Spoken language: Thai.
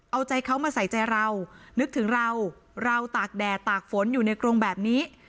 เอาใจเขามาใส่ใจเรานึกถึงเราเราตากแดดตากฝนอยู่ในกรงแบบนี้